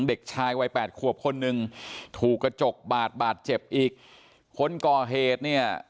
เด็กชายวัยแปดขวบคนหนึ่งถูกกระจกบาดบาดเจ็บอีกคนก่อเหตุเนี่ย